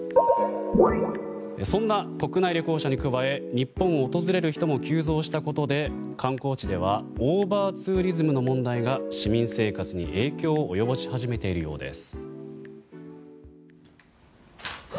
そんな国内旅行者に加え日本を訪れる人も急増したことで、観光地ではオーバーツーリズムの問題が市民生活に影響を及ぼし始めているようです。